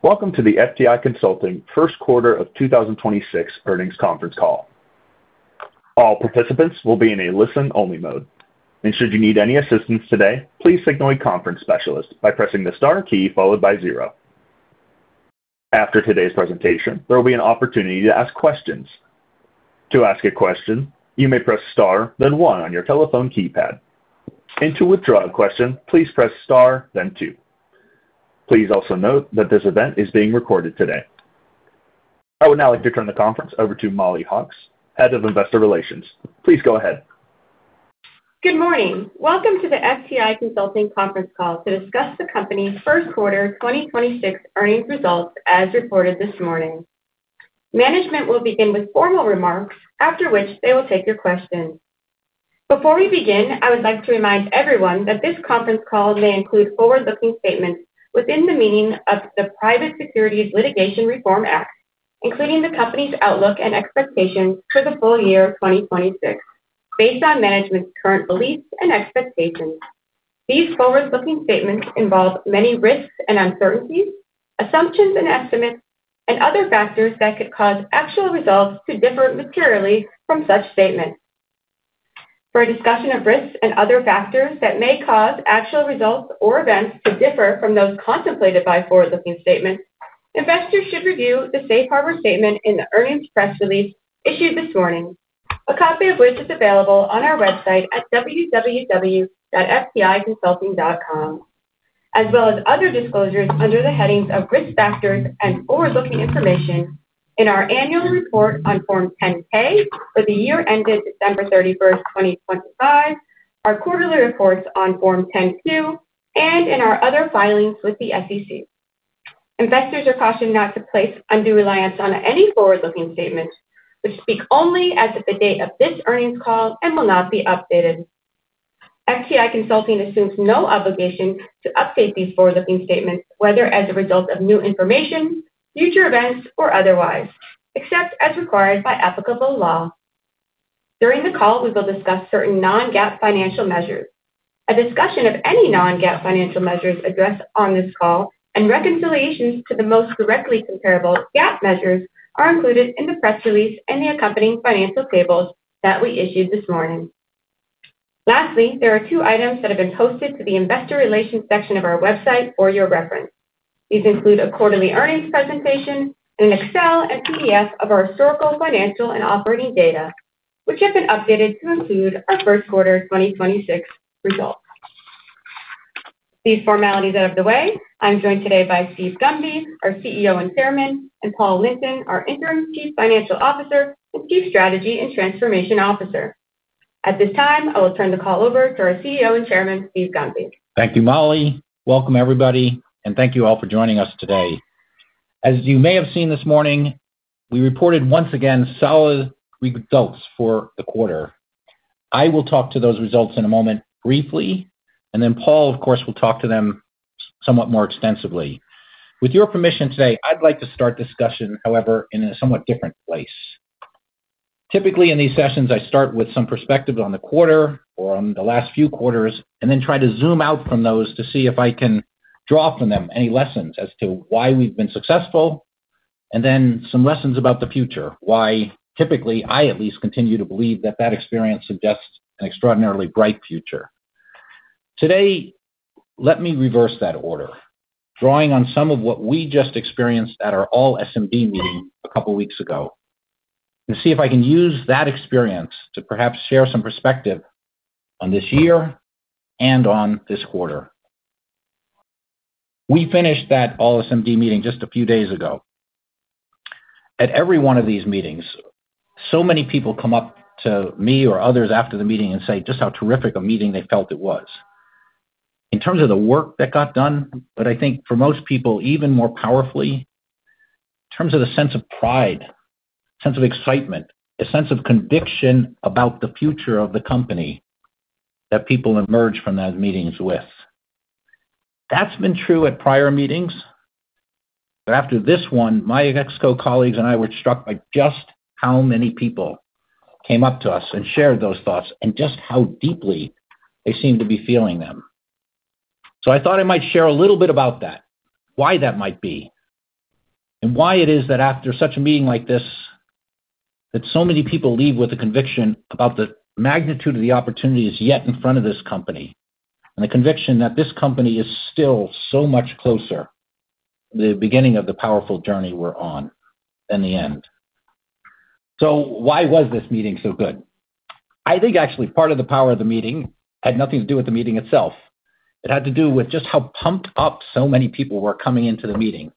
Welcome to the FTI Consulting First Quarter of 2026 Earnings Conference Call. All participants will be in a listen-only mode. Should you need any assistance today, please signal a conference specialist by pressing the star key followed by zero. After today's presentation, there will be an opportunity to ask questions. To ask a question, you may press star, then one on your telephone keypad. To withdraw a question, please press star then two. Please also note that this event is being recorded today. I would now like to turn the conference over to Mollie Hawkes, head of investor relations. Please go ahead. Good morning. Welcome to the FTI Consulting Conference Call to discuss the company's first quarter 2026 earnings results as reported this morning. Management will begin with formal remarks, after which they will take your questions. Before we begin, I would like to remind everyone that this conference call may include forward-looking statements within the meaning of the Private Securities Litigation Reform Act, including the company's outlook and expectations for the full year of 2026 based on management's current beliefs and expectations. These forward-looking statements involve many risks and uncertainties, assumptions and estimates, and other factors that could cause actual results to differ materially from such statements. For a discussion of risks and other factors that may cause actual results or events to differ from those contemplated by forward-looking statements, investors should review the safe harbor statement in the earnings press release issued this morning, a copy of which is available on our website at www.fticonsulting.com, as well as other disclosures under the headings of Risk Factors and Forward-Looking Information in our annual report on Form 10-K for the year ended December 31st, 2025, our quarterly reports on Form 10-Q, and in our other filings with the SEC. Investors are cautioned not to place undue reliance on any forward-looking statements, which speak only as of the date of this earnings call and will not be updated. FTI Consulting assumes no obligation to update these forward-looking statements, whether as a result of new information, future events, or otherwise, except as required by applicable law. During the call, we will discuss certain non-GAAP financial measures. A discussion of any non-GAAP financial measures addressed on this call and reconciliations to the most directly comparable GAAP measures are included in the press release and the accompanying financial tables that we issued this morning. Lastly, there are two items that have been posted to the investor relations section of our website for your reference. These include a quarterly earnings presentation and an Excel and PDF of our historical, financial, and operating data, which have been updated to include our first quarter 2026 results. These formalities out of the way, I'm joined today by Steve Gunby, our CEO and Chairman, and Paul Linton, our Interim Chief Financial Officer and Chief Strategy and Transformation Officer. At this time, I will turn the call over to our CEO and Chairman, Steve Gunby. Thank you, Mollie. Welcome, everybody, and thank you all for joining us today. As you may have seen this morning, we reported once again solid results for the quarter. I will talk to those results in a moment briefly, and then Paul, of course, will talk to them somewhat more extensively. With your permission today, I'd like to start discussion, however, in a somewhat different place. Typically, in these sessions, I start with some perspective on the quarter or on the last few quarters, and then try to zoom out from those to see if I can draw from them any lessons as to why we've been successful, and then some lessons about the future, why typically, I at least continue to believe that that experience suggests an extraordinarily bright future. Today, let me reverse that order, drawing on some of what we just experienced at our all SMD meeting a couple weeks ago, and see if I can use that experience to perhaps share some perspective on this year and on this quarter. We finished that all SMD meeting just a few days ago. At every one of these meetings, so many people come up to me or others after the meeting and say just how terrific a meeting they felt it was. In terms of the work that got done, but I think for most people, even more powerfully, in terms of the sense of pride, sense of excitement, a sense of conviction about the future of the company that people emerge from those meetings with. That's been true at prior meetings. After this one, my ExCo colleagues and I were struck by just how many people came up to us and shared those thoughts and just how deeply they seem to be feeling them. I thought I might share a little bit about that, why that might be, and why it is that after such a meeting like this, that so many people leave with a conviction about the magnitude of the opportunities yet in front of this company, and the conviction that this company is still so much closer to the beginning of the powerful journey we're on than the end. Why was this meeting so good? I think actually part of the power of the meeting had nothing to do with the meeting itself. It had to do with just how pumped up so many people were coming into the meeting.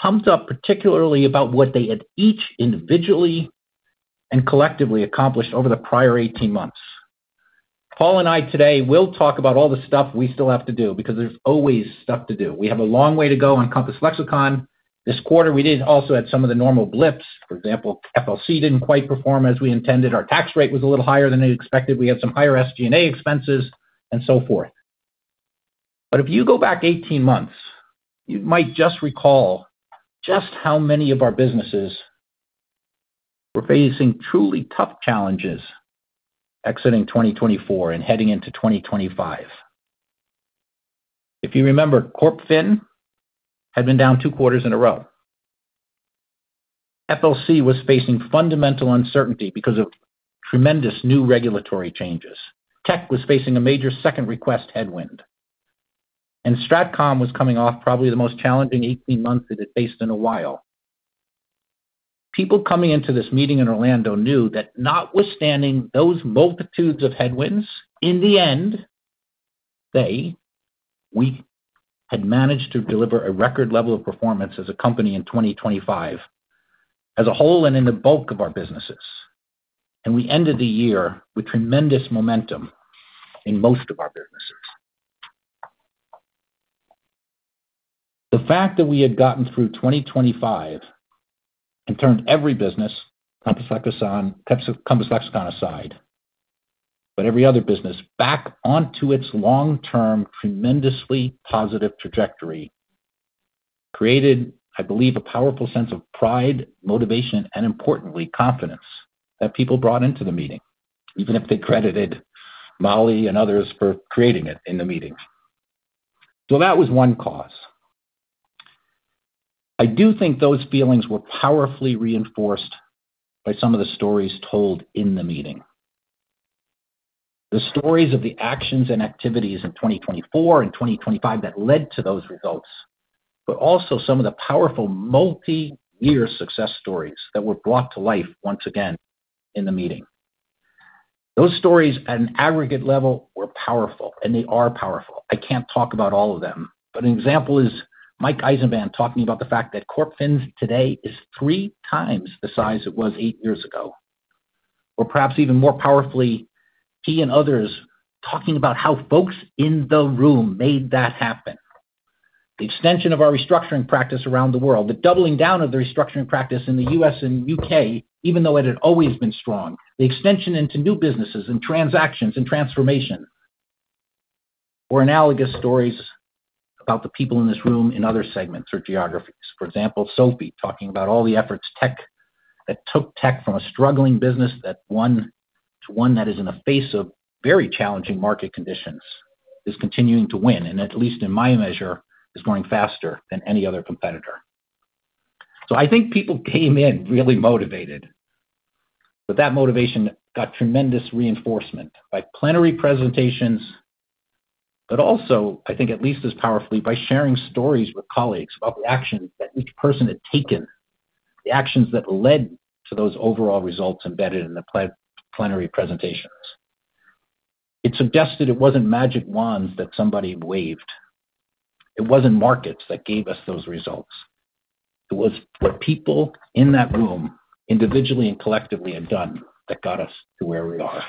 Pumped up, particularly about what they had each individually and collectively accomplished over the prior 18 months. Paul and I today will talk about all the stuff we still have to do because there's always stuff to do. We have a long way to go on Compass Lexecon. This quarter, we did also had some of the normal blips. For example, FLC didn't quite perform as we intended. Our tax rate was a little higher than expected. We had some higher SG&A expenses and so forth. If you go back 18 months, you might just recall just how many of our businesses were facing truly tough challenges exiting 2024 and heading into 2025. If you remember, CorpFin had been down two quarters in a row. FLC was facing fundamental uncertainty because of tremendous new regulatory changes. Tech was facing a major second request headwind. Strategic Communications was coming off probably the most challenging 18 months it had faced in a while. People coming into this meeting in Orlando knew that notwithstanding those multitudes of headwinds, in the end, they, we had managed to deliver a record level of performance as a company in 2025 as a whole and in the bulk of our businesses. We ended the year with tremendous momentum in most of our businesses. The fact that we had gotten through 2025 and turned every business, Compass Lexecon, Compass Lexecon aside, but every other business back onto its long-term tremendously positive trajectory created, I believe, a powerful sense of pride, motivation, and importantly, confidence that people brought into the meeting, even if they credited Mollie and others for creating it in the meeting. That was one cause. I do think those feelings were powerfully reinforced by some of the stories told in the meeting. The stories of the actions and activities in 2024 and 2025 that led to those results, but also some of the powerful multi year success stories that were brought to life once again in the meeting. Those stories at an aggregate level were powerful, and they are powerful. I can't talk about all of them, but an example is Michael Eisenband talking about the fact that CorpFin today is 3x the size it was eight years ago. Or perhaps even more powerfully, he and others talking about how folks in the room made that happen. The extension of our restructuring practice around the world, the doubling down of the restructuring practice in the U.S. and U.K., even though it had always been strong, the extension into new businesses and transactions and transformation, or analogous stories about the people in this room in other segments or geographies. For example, Sophie talking about all the efforts that took Technology from a struggling business that won to one that is in the face of very challenging market conditions, is continuing to win, and at least in my measure, is growing faster than any other competitor. I think people came in really motivated, but that motivation got tremendous reinforcement by plenary presentations, but also, I think at least as powerfully, by sharing stories with colleagues about the actions that each person had taken, the actions that led to those overall results embedded in the plenary presentations. It suggested it wasn't magic wands that somebody waved. It wasn't markets that gave us those results. It was what people in that room individually and collectively had done that got us to where we are.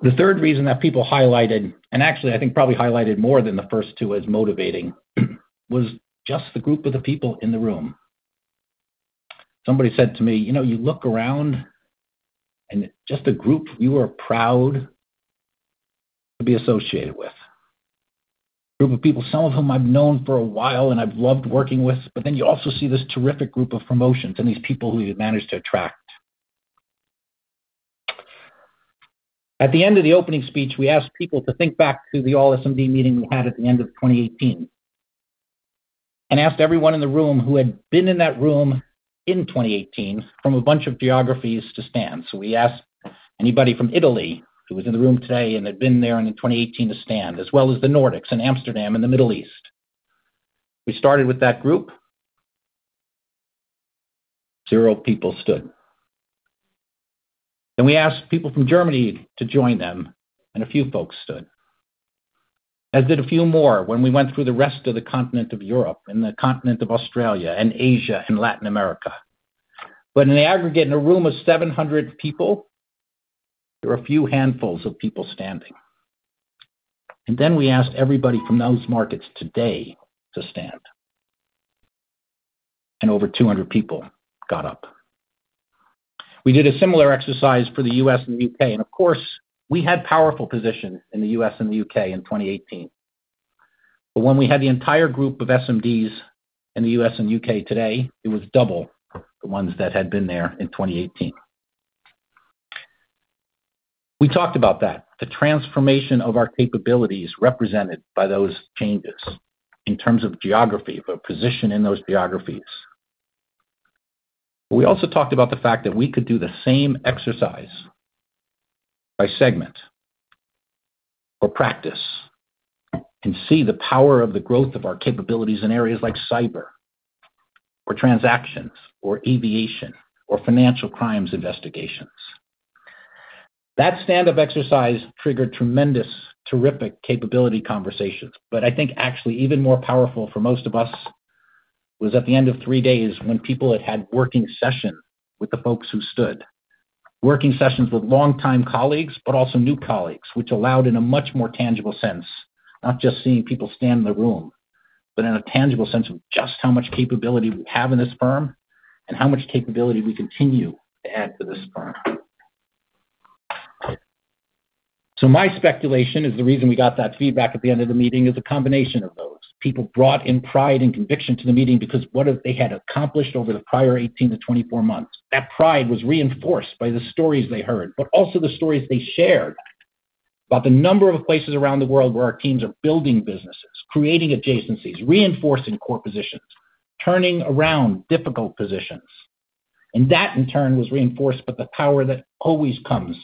The third reason that people highlighted, and actually I think probably highlighted more than the first two as motivating, was just the group of the people in the room. Somebody said to me, "You know, you look around and it's just a group you are proud to be associated with. Group of people, some of whom I've known for a while and I've loved working with. You also see this terrific group of promotions and these people who you've managed to attract." At the end of the opening speech, we asked people to think back to the all SMD meeting we had at the end of 2018, and asked everyone in the room who had been in that room in 2018 from a bunch of geographies to stand. We asked anybody from Italy who was in the room today and had been there in 2018 to stand, as well as the Nordics and Amsterdam and the Middle East. We started with that group. zero people stood. We asked people from Germany to join them, and a few folks stood. As did a few more when we went through the rest of the continent of Europe and the continent of Australia and Asia and Latin America. In the aggregate, in a room of 700 people, there were a few handfuls of people standing. We asked everybody from those markets today to stand, and over 200 people got up. We did a similar exercise for the U.S. and U.K., and of course, we had powerful position in the U.S. and the U.K. in 2018. When we had the entire group of SMDs in the U.S. and U.K. today, it was double the ones that had been there in 2018. We talked about that, the transformation of our capabilities represented by those changes in terms of geography, of our position in those geographies. We also talked about the fact that we could do the same exercise by segment or practice and see the power of the growth of our capabilities in areas like cyber or transactions or aviation or financial crimes investigations. That stand-up exercise triggered tremendous, terrific capability conversations. I think actually even more powerful for most of us was at the end of three days when people had working sessions with the folks who stood. Working sessions with longtime colleagues, but also new colleagues, which allowed in a much more tangible sense, not just seeing people stand in the room, but in a tangible sense of just how much capability we have in this firm and how much capability we continue to add to this firm. So my speculation is the reason we got that feedback at the end of the meeting is a combination of those. People brought in pride and conviction to the meeting because what they had accomplished over the prior 18-24 months. That pride was reinforced by the stories they heard, but also the stories they shared about the number of places around the world where our teams are building businesses, creating adjacencies, reinforcing core positions, turning around difficult positions. That in turn was reinforced by the power that always comes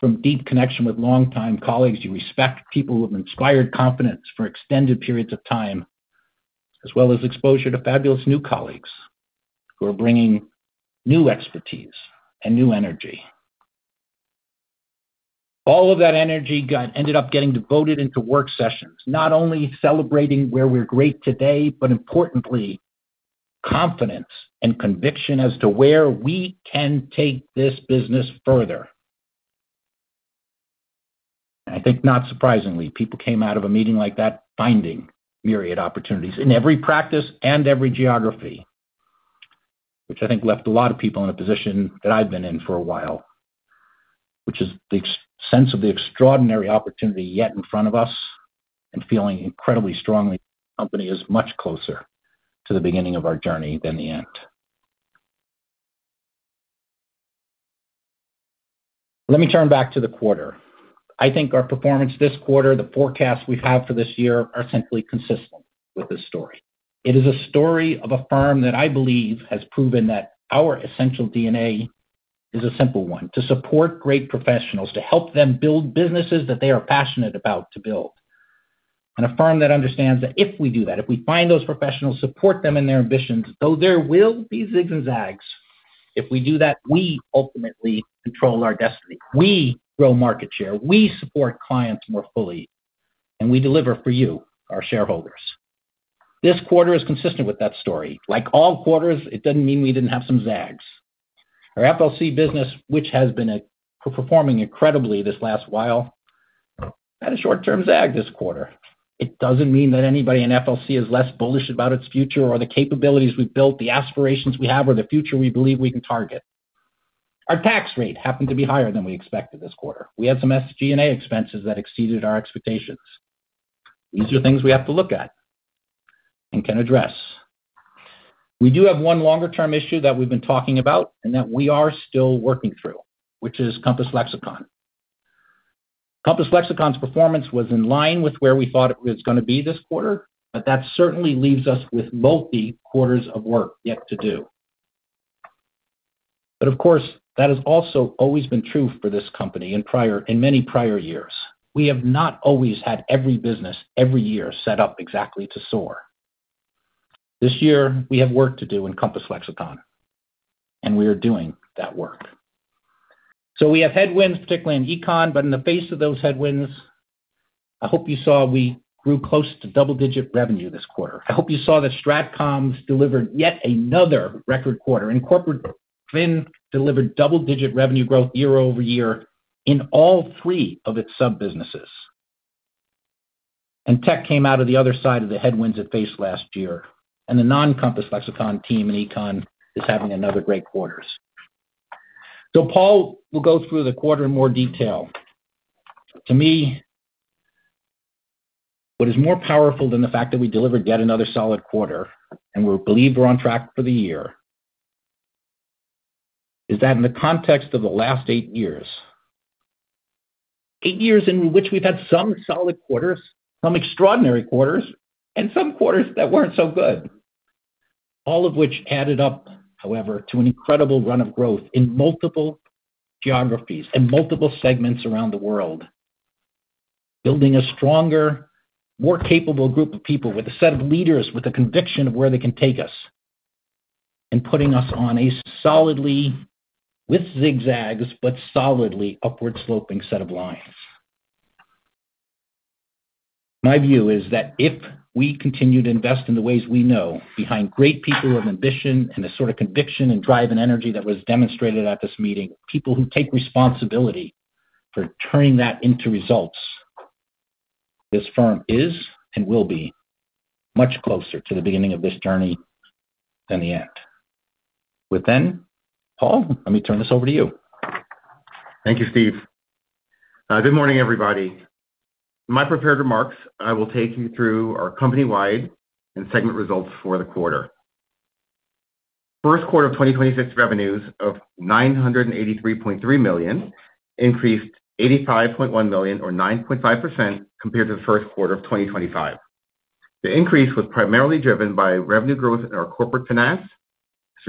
from deep connection with longtime colleagues you respect, people who have inspired confidence for extended periods of time, as well as exposure to fabulous new colleagues who are bringing new expertise and new energy. All of that energy ended up getting devoted into work sessions, not only celebrating where we're great today, but importantly, confidence and conviction as to where we can take this business further. I think not surprisingly, people came out of a meeting like that finding myriad opportunities in every practice and every geography, which I think left a lot of people in a position that I've been in for a while, which is the sense of the extraordinary opportunity yet in front of us and feeling incredibly strongly the company is much closer to the beginning of our journey than the end. Let me turn back to the quarter. I think our performance this quarter, the forecast we have for this year are simply consistent with this story. It is a story of a firm that I believe has proven that our essential DNA is a simple one, to support great professionals, to help them build businesses that they are passionate about to build. A firm that understands that if we do that, if we find those professionals, support them in their ambitions, though there will be zigs and zags, if we do that, we ultimately control our destiny. We grow market share, we support clients more fully, and we deliver for you, our shareholders. This quarter is consistent with that story. Like all quarters, it doesn't mean we didn't have some zags. Our FLC business, which has been performing incredibly this last while, had a short-term zag this quarter. It doesn't mean that anybody in FLC is less bullish about its future or the capabilities we've built, the aspirations we have, or the future we believe we can target. Our tax rate happened to be higher than we expected this quarter. We had some SG&A expenses that exceeded our expectations. These are things we have to look at and can address. We do have one longer-term issue that we've been talking about and that we are still working through, which is Compass Lexecon. Compass Lexecon's performance was in line with where we thought it was gonna be this quarter, that certainly leaves us with multi quarters of work yet to do. Of course, that has also always been true for this company in many prior years. We have not always had every business every year set up exactly to soar. This year, we have work to do in Compass Lexecon, and we are doing that work. We have headwinds, particularly in econ, in the face of those headwinds, I hope you saw we grew close to double-digit revenue this quarter. I hope you saw that Strategic Communications's delivered yet another record quarter, and Corporate Fin delivered double-digit revenue growth year-over-year in all three of its sub-businesses. Tech came out of the other side of the headwinds it faced last year, and the non-Compass Lexecon team in Econ is having another great quarters. Paul will go through the quarter in more detail. To me, what is more powerful than the fact that we delivered yet another solid quarter, and we believe we're on track for the year, is that in the context of the last eight years, eight years in which we've had some solid quarters, some extraordinary quarters, and some quarters that weren't so good, all of which added up, however, to an incredible run of growth in multiple geographies and multiple segments around the world, building a stronger, more capable group of people with a set of leaders with a conviction of where they can take us, and putting us on a solidly, with zigzags, but solidly upward sloping set of lines. My view is that if we continue to invest in the ways we know behind great people with ambition and the sort of conviction and drive and energy that was demonstrated at this meeting, people who take responsibility for turning that into results, this firm is and will be much closer to the beginning of this journey than the end. With, Paul, let me turn this over to you. Thank you, Steve. Good morning, everybody. In my prepared remarks, I will take you through our company wide and segment results for the quarter. First quarter of 2026 revenues of $983.3 million increased $85.1 million or 9.5% compared to the first quarter of 2025. The increase was primarily driven by revenue growth in our Corporate Finance,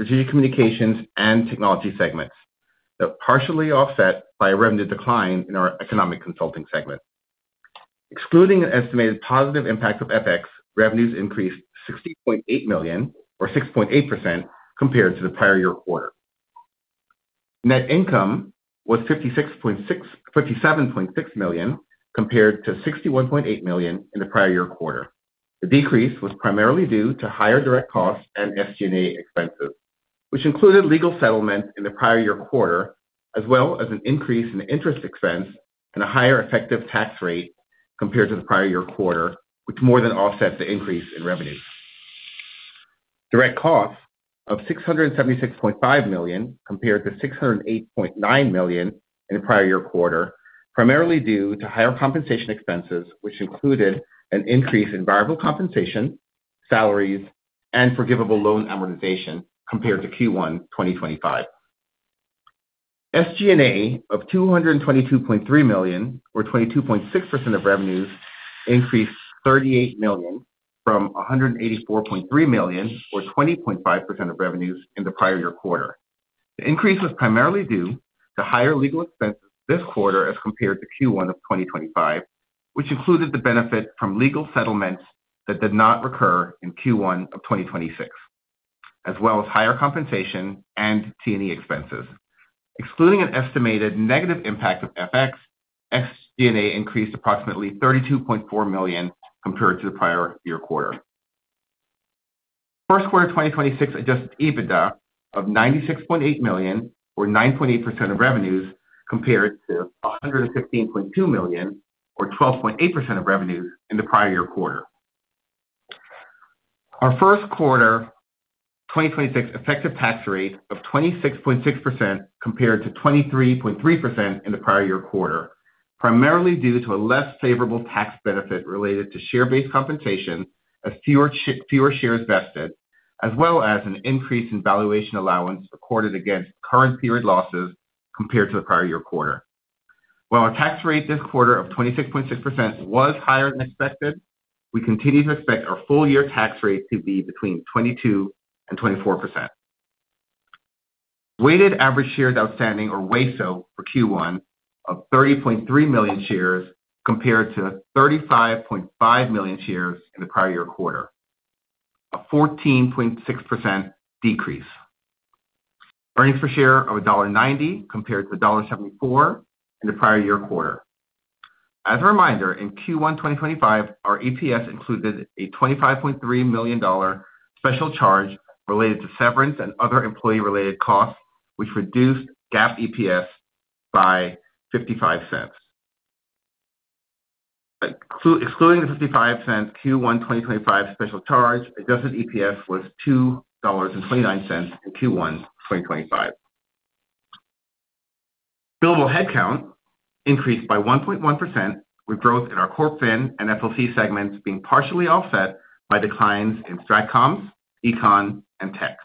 Strategic Communications, and Technology segments, though partially offset by a revenue decline in our Economic Consulting segment. Excluding an estimated positive impact of FX, revenues increased $60.8 million or 6.8% compared to the prior year quarter. Net income was $57.6 million compared to $61.8 million in the prior year quarter. The decrease was primarily due to higher direct costs and SG&A expenses, which included legal settlement in the prior year quarter, as well as an increase in interest expense and a higher effective tax rate compared to the prior year quarter, which more than offset the increase in revenue. Direct costs of $676.5 million compared to $608.9 million in the prior year quarter, primarily due to higher compensation expenses, which included an increase in variable compensation, salaries, and forgivable loan amortization compared to Q1 2025. SG&A of $222.3 million or 22.6% of revenues increased $38 million from $184.3 million or 20.5% of revenues in the prior year quarter. The increase was primarily due to higher legal expenses this quarter as compared to Q1 of 2025, which included the benefit from legal settlements that did not recur in Q1 of 2026, as well as higher compensation and T&E expenses. Excluding an estimated negative impact of FX, SG&A increased approximately $32.4 million compared to the prior year quarter. First quarter 2026 adjusted EBITDA of $96.8 million or 9.8% of revenues compared to $116.2 million or 12.8% of revenues in the prior year quarter. Our first quarter 2026 effective tax rate of 26.6% compared to 23.3% in the prior year quarter, primarily due to a less favorable tax benefit related to share-based compensation as fewer shares vested, as well as an increase in valuation allowance recorded against current period losses compared to the prior year quarter. While our tax rate this quarter of 26.6% was higher than expected, we continue to expect our full year tax rate to be between 22%- 24%. Weighted average shares outstanding or WASO for Q1 of 30.3 million shares compared to 35.5 million shares in the prior year quarter. A 14.6% decrease. Earnings per share of $1.90 compared to $1.74 in the prior year quarter. As a reminder, in Q1 2025, our EPS included a $25.3 million special charge related to severance and other employee related costs, which reduced GAAP EPS by $0.55. Excluding the $0.55 Q1 2025 special charge, adjusted EPS was $2.29 in Q1 2025. Billable headcount increased by 1.1%, with growth in our CorpFin and FLC segments being partially offset by declines in Strategic Communications, Econ, and Tech.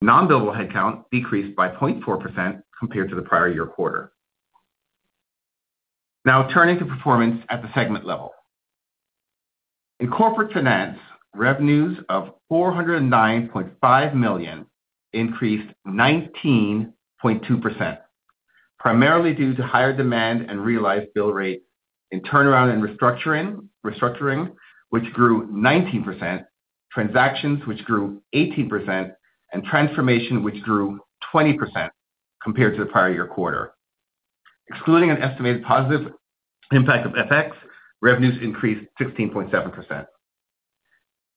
Non billable headcount decreased by 0.4% compared to the prior year quarter. Now turning to performance at the segment level. In Corporate Finance, revenues of $409.5 million increased 19.2%, primarily due to higher demand and realized bill rate in turnaround and restructuring, which grew 19%, transactions which grew 18%, and transformation which grew 20% compared to the prior year quarter. Excluding an estimated positive impact of FX, revenues increased 16.7%.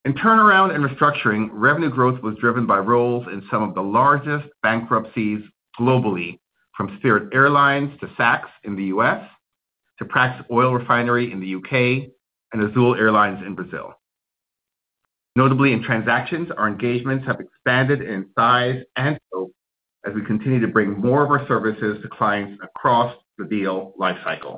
In turnaround and restructuring, revenue growth was driven by roles in some of the largest bankruptcies globally, from Spirit Airlines to Saks in the U.S., to Prax Oil Refinery in the U.K. and Azul Airlines in Brazil. Notably in transactions, our engagements have expanded in size and scope as we continue to bring more of our services to clients across the deal lifecycle.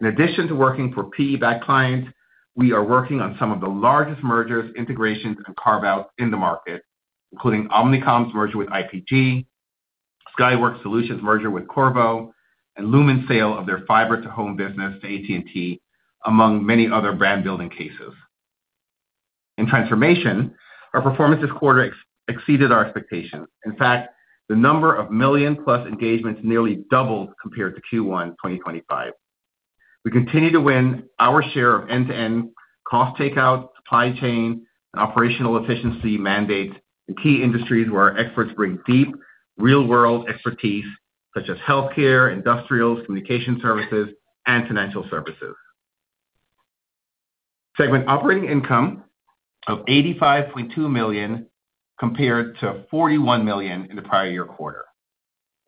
In addition to working for PE backed clients, we are working on some of the largest mergers, integrations, and carve-outs in the market, including Omnicom's merger with IPG, Skyworks Solutions merger with Qorvo, and Lumen sale of their fiber to home business to AT&T, among many other brand-building cases. In transformation, our performance this quarter exceeded our expectations. In fact, the number of million plus engagements nearly doubled compared to Q1 2025. We continue to win our share of end-to-end cost takeout, supply chain, and operational efficiency mandates in key industries where our experts bring deep real-world expertise such as healthcare, industrials, communication services, and financial services. Segment operating income of $85.2 million compared to $41 million in the prior year quarter.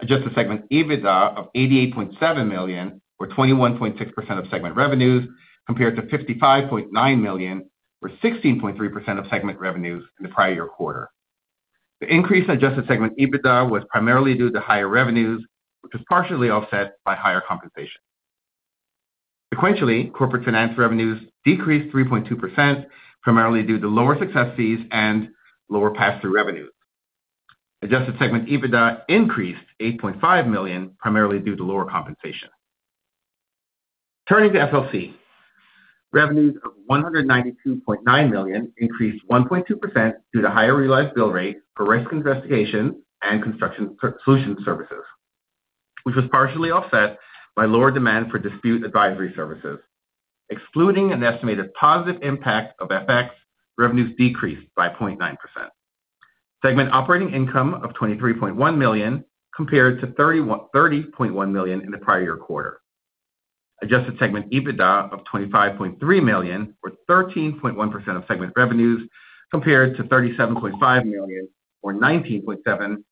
Adjusted segment EBITDA of $88.7 million or 21.6% of segment revenues compared to $55.9 million or 16.3% of segment revenues in the prior year quarter. The increase in adjusted segment EBITDA was primarily due to higher revenues, which was partially offset by higher compensation. Sequentially, Corporate Finance revenues decreased 3.2%, primarily due to lower success fees and lower passthrough revenues. Adjusted segment EBITDA increased $8.5 million, primarily due to lower compensation. Turning to FLC. Revenues of $192.9 million increased 1.2% due to higher realized bill rate for risk investigation and construction solution services, which was partially offset by lower demand for dispute advisory services. Excluding an estimated positive impact of FX, revenues decreased by 0.9%. Segment operating income of $23.1 million compared to $30.1 million in the prior year quarter. Adjusted segment EBITDA of $25.3 million, or 13.1% of segment revenues compared to $37.5 million or 19.7%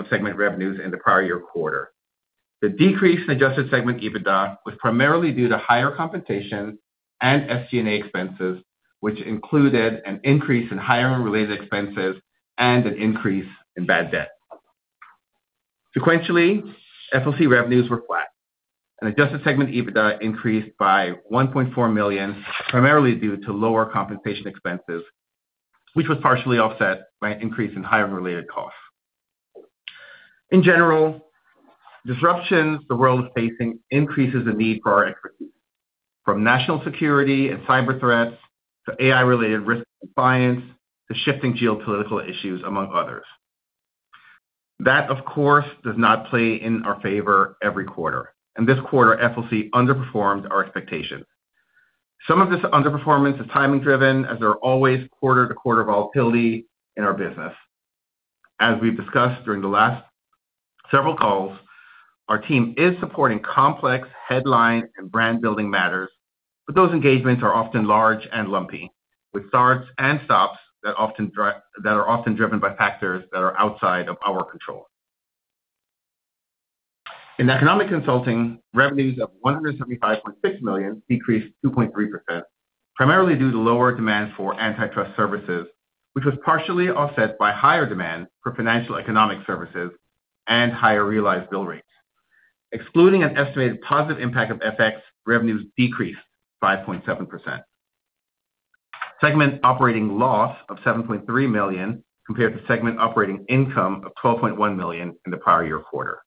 of segment revenues in the prior year quarter. The decrease in adjusted segment EBITDA was primarily due to higher compensation and SG&A expenses, which included an increase in hiring-related expenses and an increase in bad debt. Sequentially, FLC revenues were flat and adjusted segment EBITDA increased by $1.4 million, primarily due to lower compensation expenses, which was partially offset by an increase in hiring-related costs. In general, disruptions the world is facing increases the need for our expertise, from national security and cyber threats to AI-related risk and compliance to shifting geopolitical issues, among others. That, of course, does not play in our favor every quarter, and this quarter FLC underperformed our expectations. Some of this underperformance is timing-driven, as there are always quarter-to-quarter volatility in our business. As we've discussed during the last several calls, our team is supporting complex headline and brand-building matters, but those engagements are often large and lumpy, with starts and stops that are often driven by factors that are outside of our control. In Economic Consulting, revenues of $175.6 million decreased 2.3%, primarily due to lower demand for antitrust services, which was partially offset by higher demand for financial economic services and higher realized bill rates. Excluding an estimated positive impact of FX, revenues decreased 5.7%. Segment operating loss of $7.3 million compared to segment operating income of $12.1 million in the prior year quarter.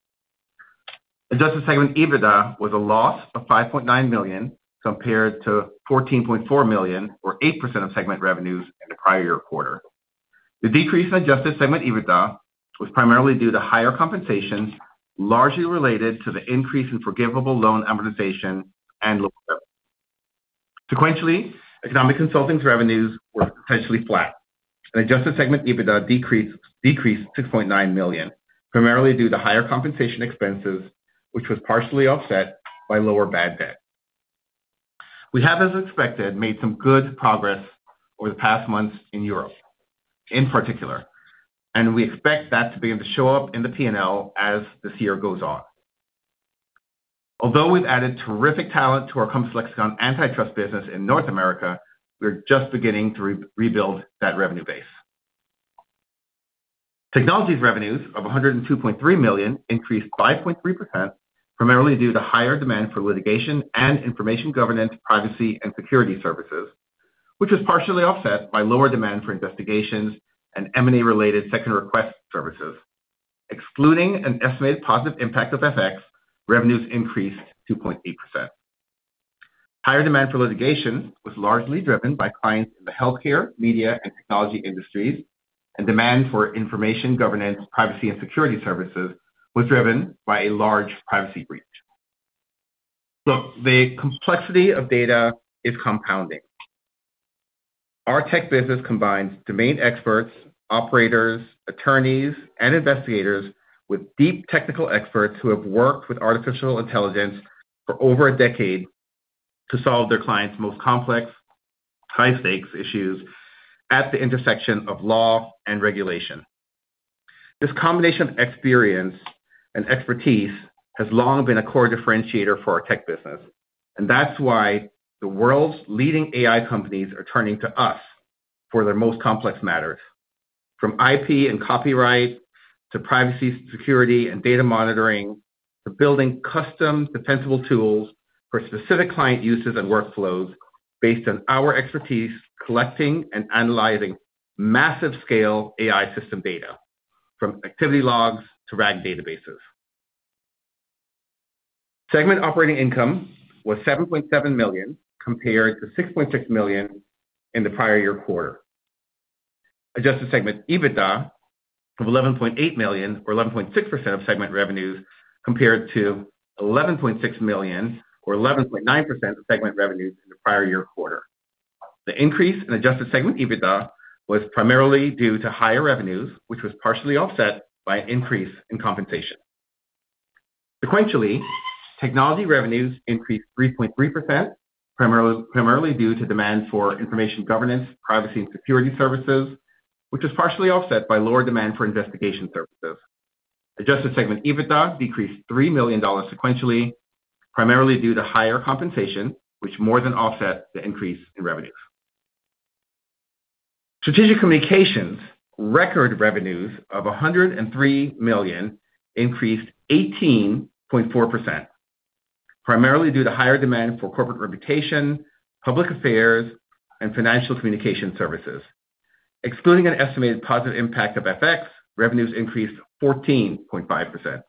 Adjusted segment EBITDA was a loss of $5.9 million, compared to $14.4 million or 8% of segment revenues in the prior year quarter. The decrease in adjusted segment EBITDA was primarily due to higher compensations, largely related to the increase in forgivable loan amortization and lower bills. Sequentially, Economic Consulting's revenues were potentially flat, and adjusted segment EBITDA decreased $6.9 million, primarily due to higher compensation expenses, which was partially offset by lower bad debt. We have, as expected, made some good progress over the past months in Europe in particular, and we expect that to begin to show up in the P&L as this year goes on. Although we've added terrific talent to our complex antitrust business in North America, we're just beginning to rebuild that revenue base. Technology's revenues of $102.3 million increased 5.3%, primarily due to higher demand for litigation and information governance, privacy and security services, which was partially offset by lower demand for investigations and M&A related second request services. Excluding an estimated positive impact of FX, revenues increased 2.8%. Higher demand for litigation was largely driven by clients in the healthcare, media, and technology industries, and demand for information governance, privacy, and security services was driven by a large privacy breach. Look, the complexity of data is compounding. Our Technology business combines domain experts, operators, attorneys, and investigators with deep technical experts who have worked with artificial intelligence for over a decade to solve their clients' most complex, high-stakes issues at the intersection of law and regulation. This combination of experience and expertise has long been a core differentiator for our Technology business, that's why the world's leading AI companies are turning to us for their most complex matters, from IP and copyright to privacy, security, and data monitoring, to building custom defensible tools for specific client uses and workflows based on our expertise collecting and analyzing massive scale AI system data from activity logs to RAG databases. Segment operating income was $7.7 million, compared to $6.6 million in the prior year quarter. Adjusted segment EBITDA of $11.8 million or 11.6% of segment revenues, compared to $11.6 million or 11.9% of segment revenues in the prior year quarter. The increase in adjusted segment EBITDA was primarily due to higher revenues, which was partially offset by an increase in compensation. Sequentially, Technology revenues increased 3.3%, primarily due to demand for information governance, privacy, and security services, which was partially offset by lower demand for investigation services. Adjusted segment EBITDA decreased $3 million sequentially, primarily due to higher compensation, which more than offset the increase in revenues. Strategic Communications record revenues of $103 million increased 18.4%, primarily due to higher demand for corporate reputation, public affairs, and financial communication services. Excluding an estimated positive impact of FX, revenues increased 14.5%.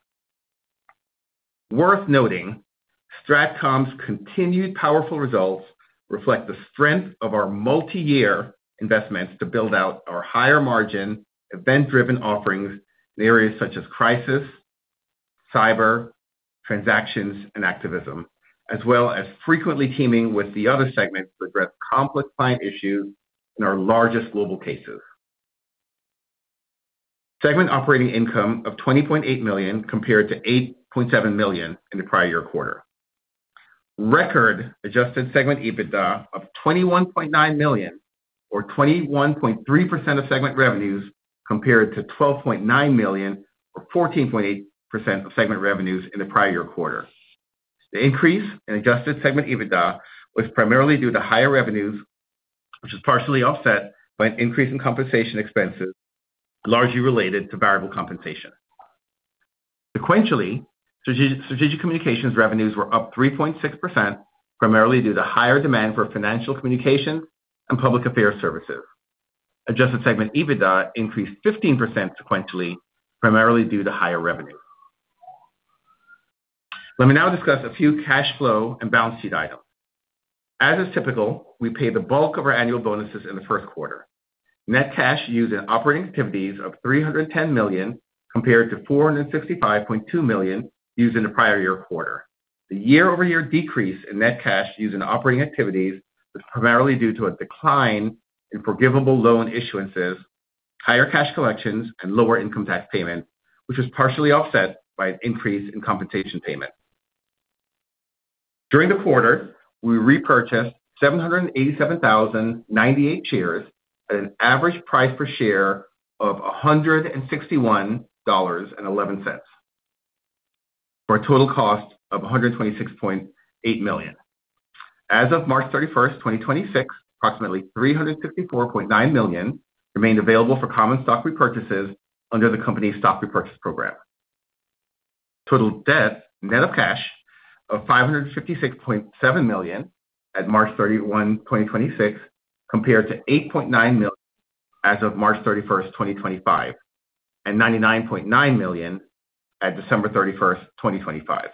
Worth noting, Strategic Communications's continued powerful results reflect the strength of our multi-year investments to build out our higher-margin, event-driven offerings in areas such as crisis, cyber, transactions, and activism, as well as frequently teaming with the other segments to address complex client issues in our largest global cases. Segment operating income of $20.8 million compared to $8.7 million in the prior year quarter. Record adjusted segment EBITDA of $21.9 million or 21.3% of segment revenues compared to $12.9 million or 14.8% of segment revenues in the prior quarter. The increase in adjusted segment EBITDA was primarily due to higher revenues, which was partially offset by an increase in compensation expenses, largely related to variable compensation. Sequentially, Strategic Communications revenues were up 3.6%, primarily due to higher demand for financial communications and public affairs services. Adjusted segment EBITDA increased 15% sequentially, primarily due to higher revenue. Let me now discuss a few cash flow and balance sheet items. As is typical, we pay the bulk of our annual bonuses in the first quarter. Net cash used in operating activities of $310 million compared to $465.2 million used in the prior year quarter. The year-over-year decrease in net cash used in operating activities was primarily due to a decline in forgivable loan issuances, higher cash collections, and lower income tax payment, which was partially offset by an increase in compensation payment. During the quarter, we repurchased 787,098 shares at an average price per share of $161.11 for a total cost of $126.8 million. As of March 31st, 2026, approximately $354.9 million remained available for common stock repurchases under the company's stock repurchase program. Total debt, net of cash, of $556.7 million at March 31, 2026 compared to $8.9 million as of March 31st, 2025, and $99.9 million at December 31st, 2025.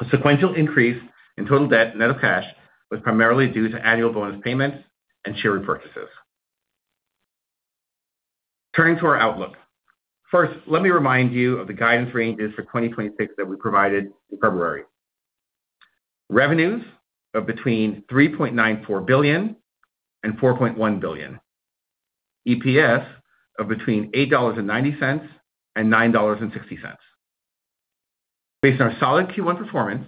A sequential increase in total debt, net of cash, was primarily due to annual bonus payments and share repurchases. Turning to our outlook. First, let me remind you of the guidance ranges for 2026 that we provided in February. Revenues of between $3.94 billion and $4.1 billion. EPS of between $8.90 and $9.60. Based on our solid Q1 performance,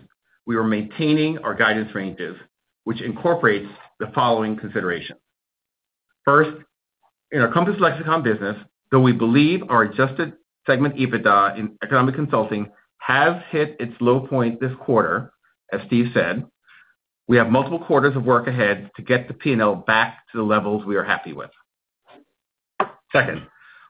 we are maintaining our guidance ranges, which incorporates the following considerations. First, in our Compass Lexecon business, though we believe our adjusted segment EBITDA in Economic Consulting has hit its low point this quarter, as Steve said, we have multiple quarters of work ahead to get the P&L back to the levels we are happy with. Second,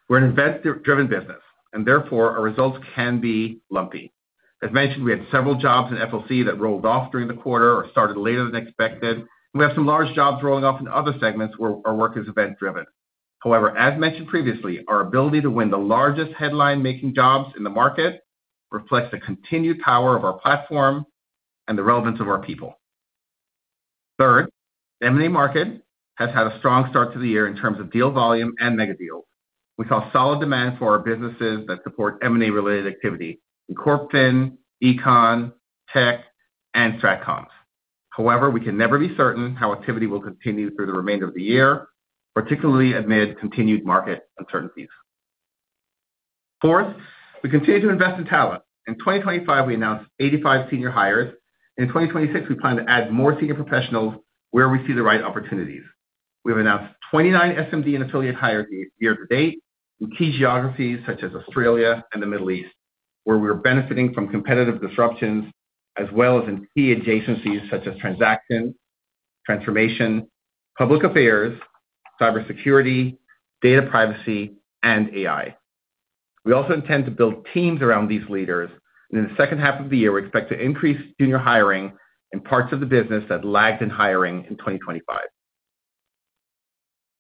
we're an event-driven business, therefore our results can be lumpy. As mentioned, we had several jobs in FLC that rolled off during the quarter or started later than expected. We have some large jobs rolling off in other segments where our work is event-driven. As mentioned previously, our ability to win the largest headline making jobs in the market reflects the continued power of our platform and the relevance of our people. Third, the M&A market has had a strong start to the year in terms of deal volume and mega deals. We saw solid demand for our businesses that support M&A related activity in CorpFin, Econ, Tech, and Strategic Communications. We can never be certain how activity will continue through the remainder of the year, particularly amid continued market uncertainties. Fourth, we continue to invest in talent. In 2025, we announced 85 senior hires. In 2026, we plan to add more senior professionals where we see the right opportunities. We have announced 29 SMD and affiliate hires year to date in key geographies such as Australia and the Middle East, where we are benefiting from competitive disruptions as well as in key adjacencies such as transactions, transformation, public affairs, cybersecurity, data privacy, and AI. We also intend to build teams around these leaders. In the second half of the year, we expect to increase senior hiring in parts of the business that lagged in hiring in 2025.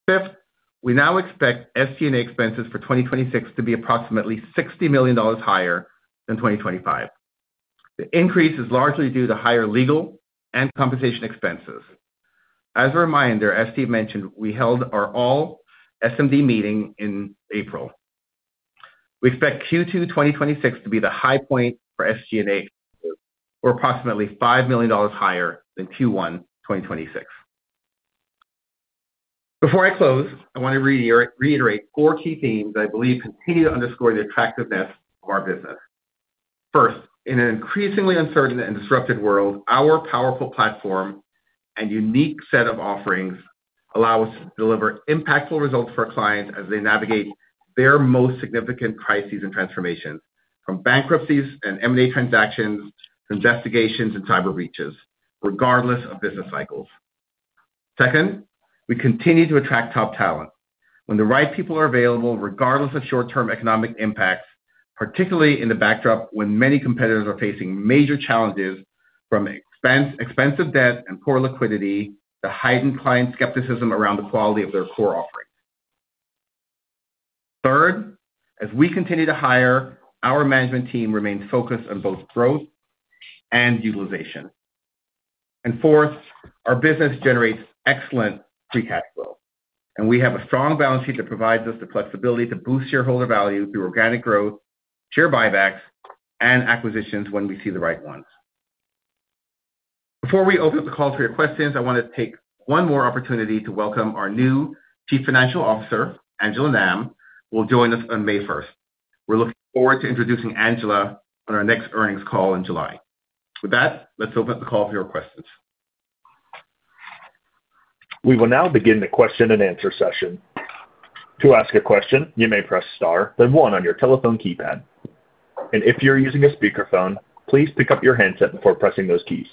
Fifth, we now expect SG&A expenses for 2026 to be approximately $60 million higher than 2025. The increase is largely due to higher legal and compensation expenses. As a reminder, as Steve mentioned, we held our all SMD meeting in April. We expect Q2 2026 to be the high point for SG&A, or approximately $5 million higher than Q1 2026. Before I close, I want to reiterate four key themes that I believe continue to underscore the attractiveness of our business. First, in an increasingly uncertain and disrupted world, our powerful platform and unique set of offerings allow us to deliver impactful results for our clients as they navigate their most significant crises and transformations, from bankruptcies and M&A transactions, investigations and cyber breaches, regardless of business cycles. Second, we continue to attract top talent when the right people are available, regardless of short-term economic impacts, particularly in the backdrop when many competitors are facing major challenges from expensive debt and poor liquidity to heightened client skepticism around the quality of their core offerings. Third, as we continue to hire, our management team remains focused on both growth and utilization. Fourth, our business generates excellent free cash flow, and we have a strong balance sheet that provides us the flexibility to boost shareholder value through organic growth, share buybacks, and acquisitions when we see the right ones. Before we open up the call for your questions, I want to take one more opportunity to welcome our new Chief Financial Officer, Angela Nam, who will join us on May first. We're looking forward to introducing Angela on our next earnings call in July. With that, let's open up the call for your questions. We will now begin the question-and-answer session. To ask a question, you may press star, then one on your telephone keypad. If you're using a speakerphone, please pick up your handset before pressing those keys.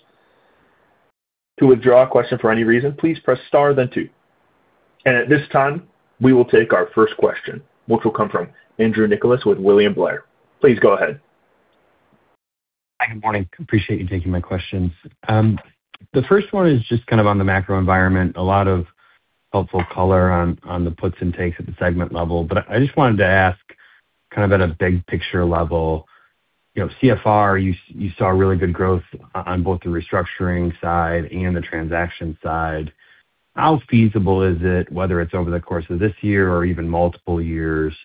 To withdraw a question for any reason, please press star, then two. At this time, we will take our first question, which will come from Andrew Nicholas with William Blair. Please go ahead. Hi, good morning. Appreciate you taking my questions. The first one is just kind of on the macro environment. A lot of helpful color on the puts and takes at the segment level. I just wanted to ask kind of at a big picture level, you know, CFR, you saw really good growth on both the restructuring side and the transaction side. How feasible is it, whether it's over the course of this year or even multiple years,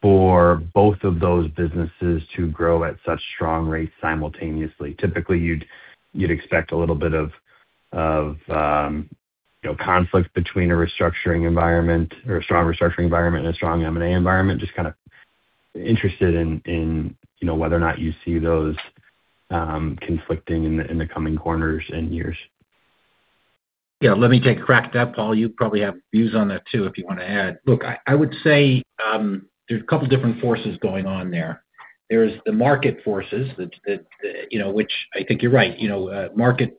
for both of those businesses to grow at such strong rates simultaneously? Typically, you'd expect a little bit of, you know, conflict between a restructuring environment or a strong restructuring environment and a strong M&A environment. Just kind of interested in, you know, whether or not you see those conflicting in the coming quarters and years. Yeah, let me take a crack at that. Paul, you probably have views on that too, if you wanna add. Look, I would say, there's a couple different forces going on there. There's the market forces that, you know, which I think you're right. You know, markets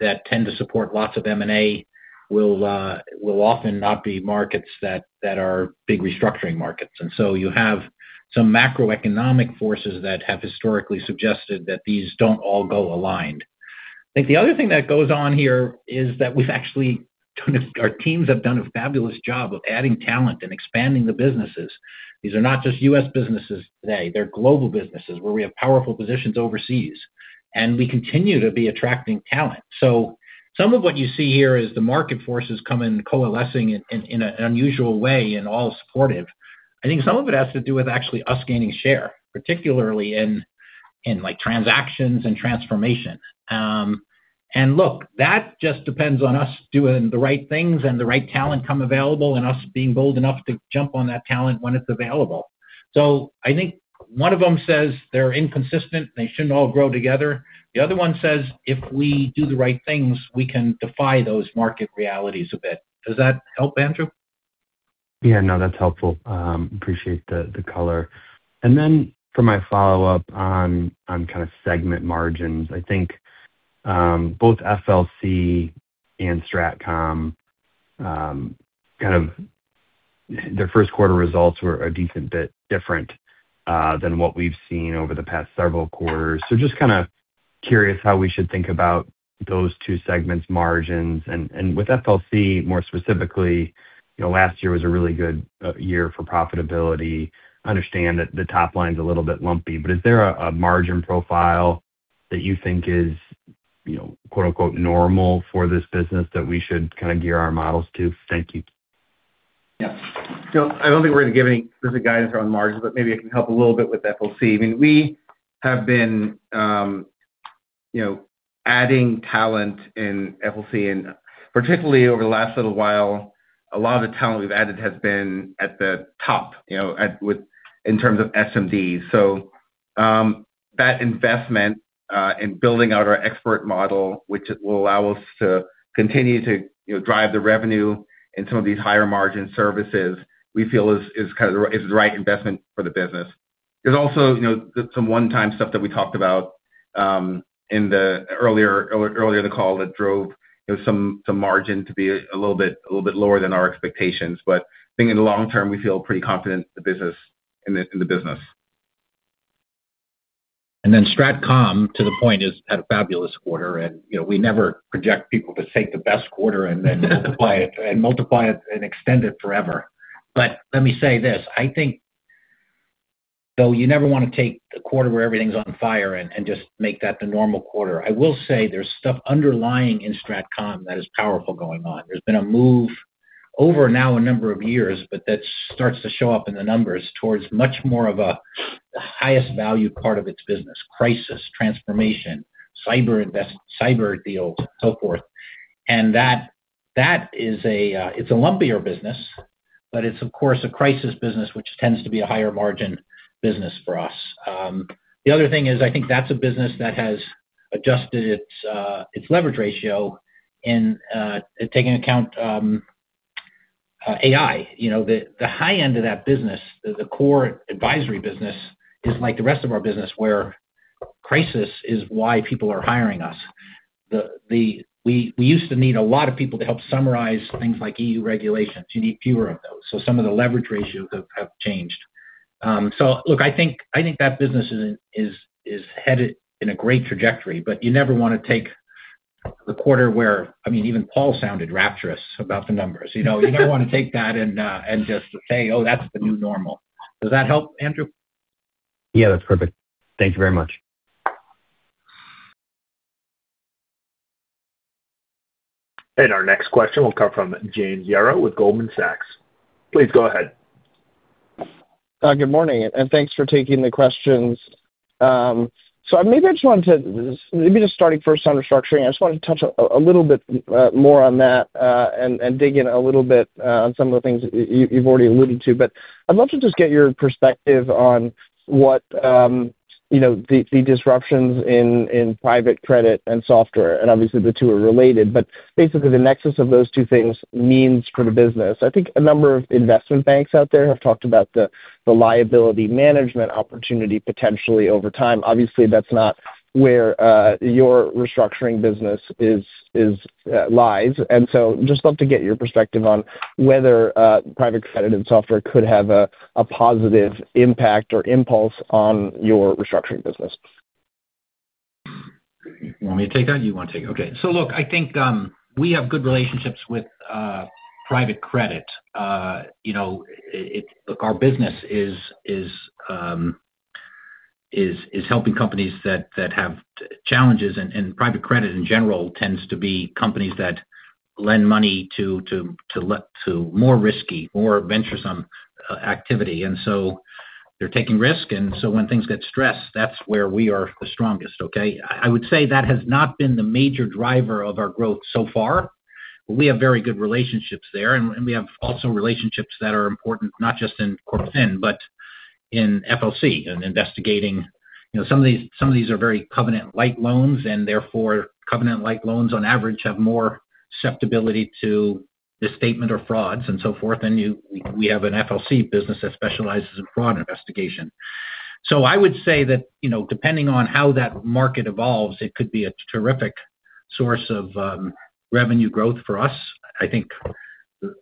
that tend to support lots of M&A will often not be markets that are big restructuring markets. You have some macroeconomic forces that have historically suggested that these don't all go aligned. I think the other thing that goes on here is that we've actually done our teams have done a fabulous job of adding talent and expanding the businesses. These are not just U.S. businesses today. They're global businesses where we have powerful positions overseas, we continue to be attracting talent. Some of what you see here is the market forces coming coalescing in an unusual way and all supportive. I think some of it has to do with actually us gaining share, particularly in transactions and transformation. Look, that just depends on us doing the right things and the right talent coming available, and us being bold enough to jump on that talent when it's available. I think one of them says they're inconsistent, they shouldn't all grow together. The other one says, if we do the right things, we can defy those market realities a bit. Does that help, Andrew? Yeah, no, that's helpful. Appreciate the color. Then for my follow-up on kind of segment margins, I think both FLC and Strategic Communications, kind of their first quarter results were a decent bit different than what we've seen over the past several quarters. Just kind of curious how we should think about those two segments' margins. With FLC more specifically, you know, last year was a really good year for profitability. Understand that the top line's a little bit lumpy, but is there a margin profile that you think is, you know, quote unquote, "normal" for this business that we should kind of gear our models to? Thank you. Yeah. I don't think we're gonna give any specific guidance around margins, but maybe I can help a little bit with FLC. I mean, we have been, you know, adding talent in FLC, and particularly over the last little while, a lot of the talent we've added has been at the top, you know, in terms of SMD. That investment in building out our expert model, which will allow us to continue to, you know, drive the revenue in some of these higher margin services, we feel is kind of the right investment for the business. There's also, you know, some one-time stuff that we talked about earlier in the call that drove, you know, some margin to be a little bit lower than our expectations. I think in the long term, we feel pretty confident in the business. Strategic Communications, to the point, has had a fabulous quarter and, you know, we never project people to take the best quarter and then multiply it, and multiply it and extend it forever. Let me say this, I think though you never wanna take a quarter where everything's on fire and just make that the normal quarter, I will say there's stuff underlying in Strategic Communications that is powerful going on. There's been a move over now a number of years, but that starts to show up in the numbers towards much more of a highest value part of its business, crisis, transformation, cyber deals, so forth. That, that is a, it's a lumpier business, but it's of course a crisis business, which tends to be a higher margin business for us. The other thing is, I think that's a business that has adjusted its leverage ratio in taking account AI. You know, the high end of that business, the core advisory business is like the rest of our business where crisis is why people are hiring us. We used to need a lot of people to help summarize things like EU regulations. You need fewer of those. Some of the leverage ratios have changed. Look, I think that business is headed in a great trajectory, but you never wanna take the quarter where, I mean, even Paul sounded rapturous about the numbers. You know, you never wanna take that and just say, "Oh, that's the new normal." Does that help, Andrew? Yeah, that's perfect. Thank you very much. Our next question will come from James Yaro with Goldman Sachs. Please go ahead. Good morning, and thanks for taking the questions. Maybe just starting first on restructuring, I just wanted to touch a little bit more on that and dig in a little bit on some of the things you've already alluded to. I'd love to just get your perspective on what, you know, the disruptions in private credit and software, and obviously the two are related, but basically the nexus of those two things means for the business. I think a number of investment banks out there have talked about the liability management opportunity potentially over time. Obviously, that's not where your restructuring business is lies. And so just love to get your perspective on whether private credit and software could have a positive impact or impulse on your restructuring business. You want me to take that? You wanna take it? Okay. Look, I think, we have good relationships with private credit. You know, look, our business is helping companies that have challenges, and private credit in general tends to be companies that lend money to more risky, more venturesome activity. They're taking risk, when things get stressed, that's where we are the strongest, okay? I would say that has not been the major driver of our growth so far. We have very good relationships there, we have also relationships that are important, not just in CorpFin, but in FLC and investigating. You know, some of these are very covenant-light loans, therefore covenant-light loans on average have more susceptibility to misstatement or frauds and so forth. We have an FLC business that specializes in fraud investigation. I would say that, you know, depending on how that market evolves, it could be a terrific source of revenue growth for us. I think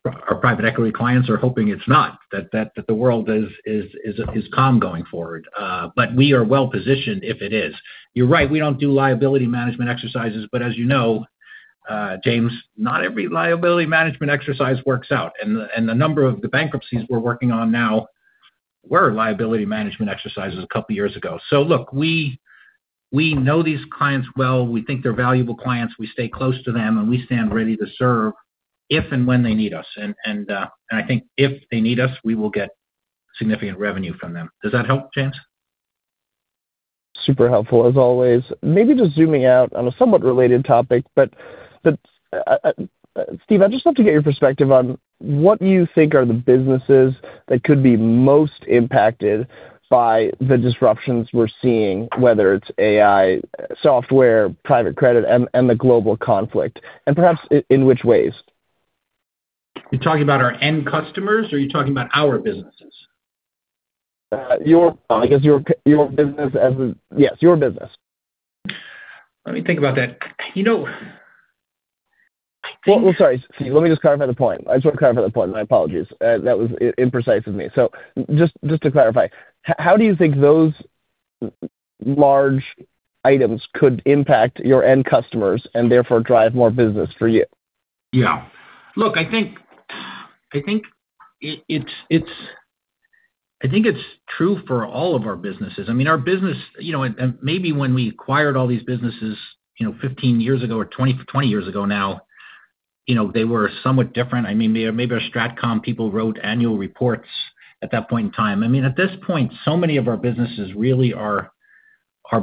our private equity clients are hoping it's not, that the world is calm going forward. We are well-positioned if it is. You're right, we don't do liability management exercises. As you know, James, not every liability management exercise works out. The number of the bankruptcies we're working on now were liability management exercises a couple years ago. Look, we know these clients well. We think they're valuable clients. We stay close to them, we stand ready to serve if and when they need us. I think if they need us, we will get significant revenue from them. Does that help, James? Super helpful, as always. Maybe just zooming out on a somewhat related topic, but Steve, I'd just love to get your perspective on what you think are the businesses that could be most impacted by the disruptions we're seeing, whether it's AI, software, private credit, and the global conflict, and perhaps in which ways. You talking about our end customers, or are you talking about our businesses? I guess your business yes, your business. Let me think about that. You know. Well, sorry, Steve, let me just clarify the point. I just wanna clarify the point. My apologies. That was imprecise of me. Just to clarify, how do you think those large items could impact your end customers and therefore drive more business for you? Yeah. Look, I think, I think it's true for all of our businesses. I mean, our business, you know, and maybe when we acquired all these businesses, you know, 15 years ago, or 20 years ago now, you know, they were somewhat different. I mean, maybe our Strategic Communications people wrote annual reports at that point in time. I mean, at this point, so many of our businesses really are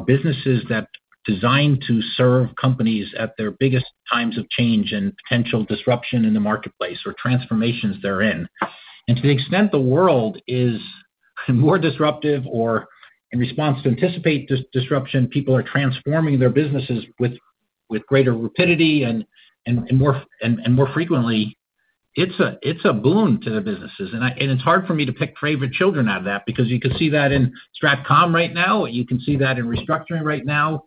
businesses that designed to serve companies at their biggest times of change and potential disruption in the marketplace or transformations they're in. To the extent the world is more disruptive or in response to anticipate disruption, people are transforming their businesses with greater rapidity and more frequently, it's a boon to the businesses. It's hard for me to pick favorite children out of that because you can see that in Strategic Communications right now. You can see that in Restructuring right now.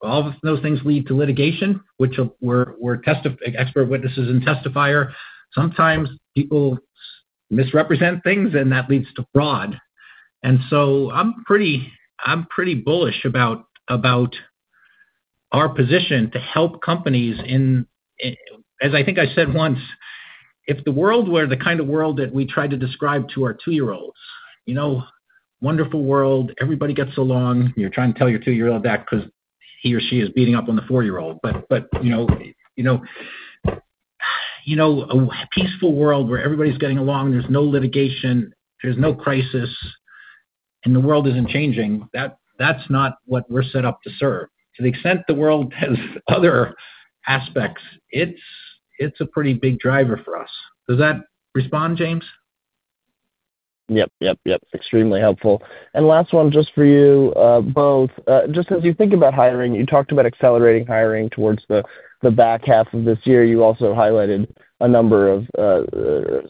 All of those things lead to Litigation, which, we're expert witnesses and testifier. Sometimes people misrepresent things, and that leads to fraud. I'm pretty bullish about our position to help companies. As I think I said once, if the world were the kind of world that we try to describe to our two-year-olds, you know, wonderful world, everybody gets along. You're trying to tell your two-year-old that 'cause he or she is beating up on the four-year-old. You know, a peaceful world where everybody's getting along, there's no litigation, there's no crisis, and the world isn't changing, that's not what we're set up to serve. To the extent the world has other aspects, it's a pretty big driver for us. Does that respond, James? Yep, yep. Extremely helpful. Last one just for you both. Just as you think about hiring, you talked about accelerating hiring towards the back half of this year. You also highlighted a number of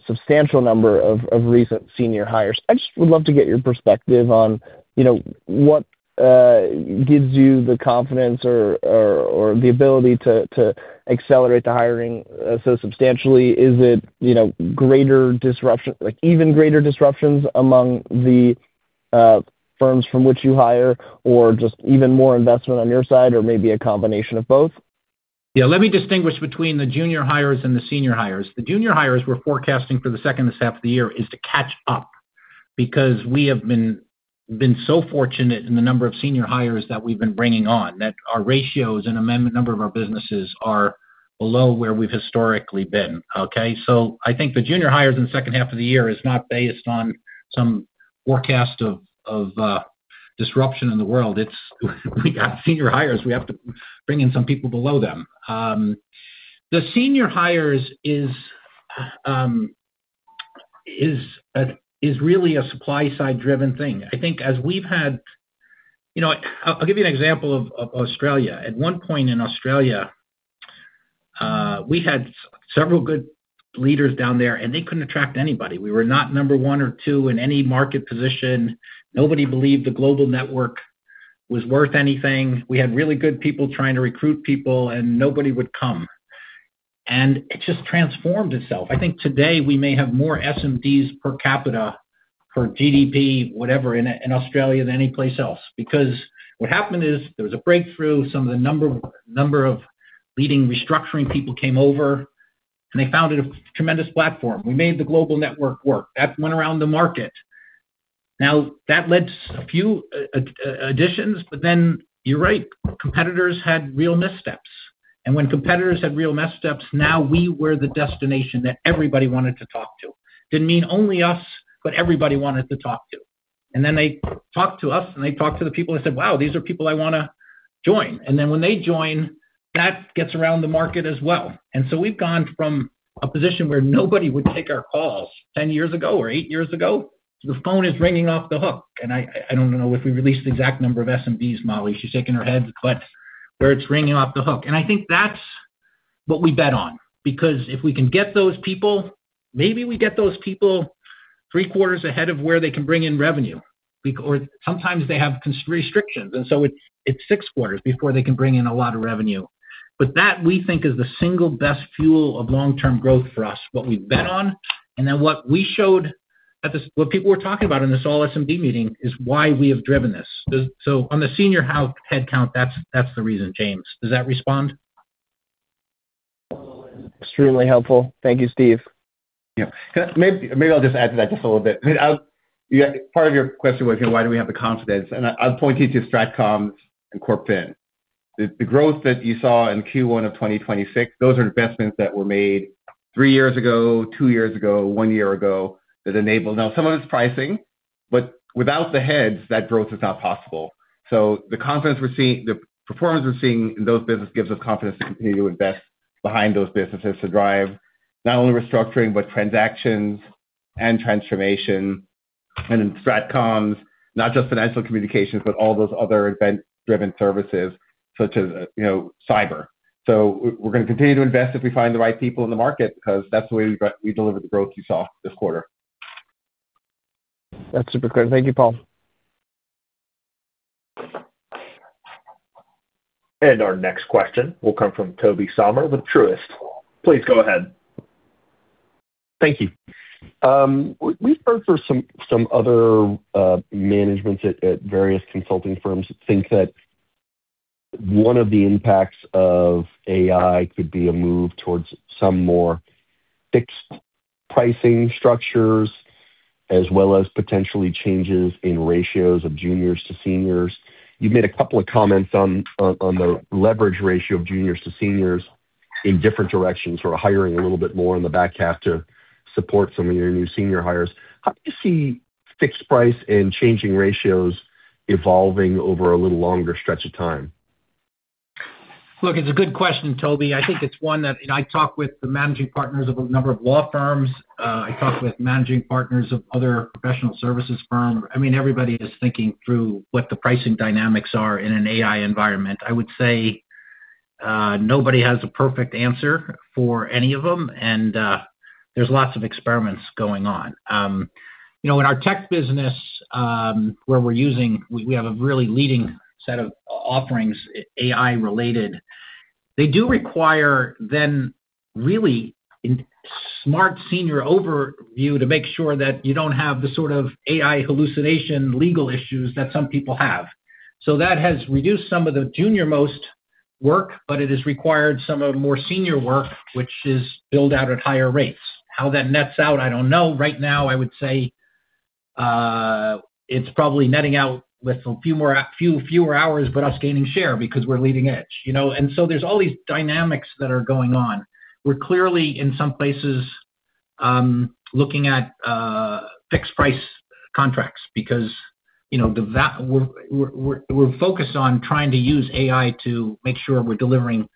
substantial number of recent senior hires. I just would love to get your perspective on, you know, what gives you the confidence or the ability to accelerate the hiring so substantially. Is it, you know, greater disruption, like even greater disruptions among the firms from which you hire, or just even more investment on your side, or maybe a combination of both? Yeah. Let me distinguish between the junior hires and the senior hires. The junior hires we're forecasting for the second half of the year is to catch up because we have been so fortunate in the number of senior hires that we've been bringing on, that our ratios in a number of our businesses are below where we've historically been, okay? I think the junior hires in the second half of the year is not based on some forecast of disruption in the world. It's we got senior hires, we have to bring in some people below them. The senior hires is really a supply side driven thing. You know, I'll give you an example of Australia. At one point in Australia, we had several good leaders down there. They couldn't attract anybody. We were not number one or two in any market position. Nobody believed the global network was worth anything. We had really good people trying to recruit people, nobody would come. It just transformed itself. I think today we may have more SMDs per capita for GDP, whatever, in Australia than anyplace else. What happened is, there was a breakthrough. Some of the number of leading restructuring people came over, and they founded a tremendous platform. We made the global network work. That went around the market. That led to a few additions, you're right, competitors had real missteps. When competitors had real missteps, now we were the destination that everybody wanted to talk to. Didn't mean only us, everybody wanted to talk to. They talked to us, and they talked to the people and said, "Wow, these are people I wanna join." When they join, that gets around the market as well. We've gone from a position where nobody would take our calls 10 years ago or eight years ago. The phone is ringing off the hook, I don't know if we released the exact number of SMDs. Mollie, she's shaking her head, where it's ringing off the hook. I think that's what we bet on, because if we can get those people, maybe we get those people three quarters ahead of where they can bring in revenue or sometimes they have restrictions, it's six quarters before they can bring in a lot of revenue. That, we think, is the single best fuel of long-term growth for us, what we've bet on. What we showed, what people were talking about in this all SMD meeting is why we have driven this. On the senior head count, that's the reason, James. Does that respond? Extremely helpful. Thank you, Steve. Yeah. Maybe I'll just add to that just a little bit. I mean, part of your question was, you know, why do we have the confidence? I'll point you to Strategic Communications and CorpFin. The growth that you saw in Q1 of 2026, those are investments that were made three years ago, two years ago, one year ago that enabled. Now, some of it's pricing, but without the heads, that growth is not possible. The performance we're seeing in those business gives us confidence to continue to invest behind those businesses to drive not only restructuring, but transactions and transformation. In Strategic Communications, not just financial communications, but all those other event-driven services such as, you know, cyber. We're gonna continue to invest if we find the right people in the market because that's the way we deliver the growth you saw this quarter. That's super clear. Thank you, Paul. Our next question will come from Tobey Sommer with Truist. Please go ahead. Thank you. We've heard from some other managements at various consulting firms that think that one of the impacts of AI could be a move towards some more fixed pricing structures, as well as potentially changes in ratios of juniors to seniors. You've made a couple of comments on the leverage ratio of juniors to seniors in different directions or hiring a little bit more in the back half to support some of your new senior hires. How do you see fixed price and changing ratios evolving over a little longer stretch of time? Look, it's a good question, Tobey. I think it's one I talk with the managing partners of a number of law firms. I talk with managing partners of other professional services firm. I mean, everybody is thinking through what the pricing dynamics are in an AI environment. I would say, nobody has a perfect answer for any of them, there's lots of experiments going on. You know, in our tech business, where we have a really leading set of offerings AI related, they do require then really smart senior overview to make sure that you don't have the sort of AI hallucination legal issues that some people have. That has reduced some of the junior most work, but it has required some of more senior work, which is billed out at higher rates. How that nets out, I don't know. Right now, I would say, it's probably netting out with a few hours, but us gaining share because we're leading edge, you know? There's all these dynamics that are going on. We're clearly, in some places, looking at fixed price contracts because, you know, we're focused on trying to use AI to make sure we're delivering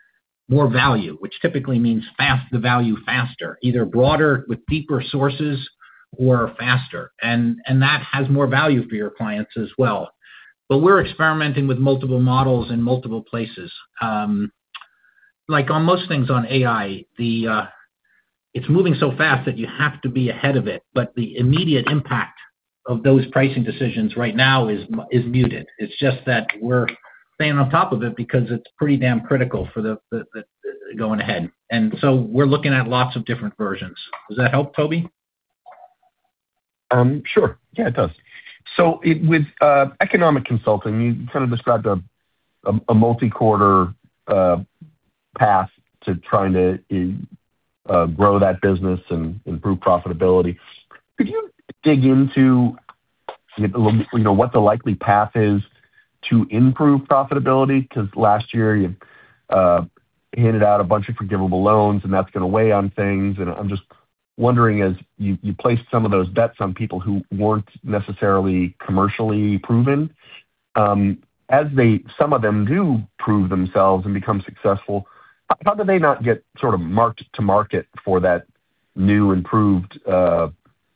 more value, which typically means the value faster, either broader with deeper sources or faster. That has more value for your clients as well. We're experimenting with multiple models in multiple places. Like on most things on AI, it's moving so fast that you have to be ahead of it, but the immediate impact of those pricing decisions right now is muted. It's just that we're staying on top of it because it's pretty damn critical for the going ahead. We're looking at lots of different versions. Does that help, Tobey? Sure. Yeah, it does. With Economic Consulting, you kind of described a multi quarter path to trying to grow that business and improve profitability. Could you dig into, you know, what the likely path is to improve profitability? 'Cause last year you handed out a bunch of forgivable loans, and that's gonna weigh on things. I'm just wondering, as you placed some of those bets on people who weren't necessarily commercially proven, as some of them do prove themselves and become successful, how do they not get sort of marked to market for that new improved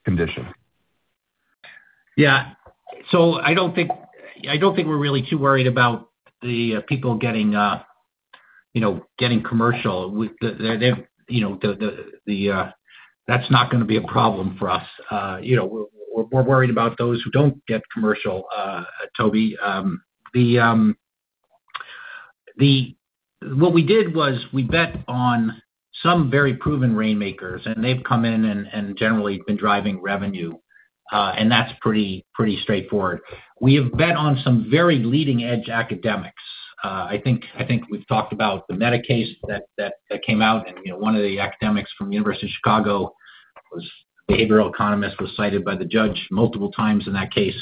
condition? Yeah. I don't think we're really too worried about the people getting, you know, getting commercial with. They're, you know, that's not gonna be a problem for us. You know, we're worried about those who don't get commercial, Tobey. What we did was we bet on some very proven rainmakers, and they've come in and generally been driving revenue. That's pretty straightforward. We have bet on some very leading-edge academics. I think we've talked about the Meta case that came out and, you know, one of the academics from University of Chicago was behavioral economist, was cited by the judge multiple times in that case.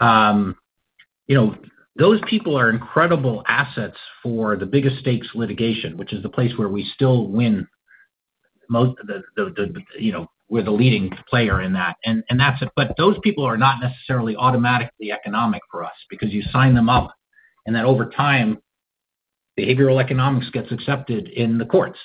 You know, those people are incredible assets for the biggest stakes litigation, which is the place where we still win most of the, you know, we're the leading player in that. That's it. Those people are not necessarily automatically economic for us because you sign them up, and then over time, behavioral economics gets accepted in the courts,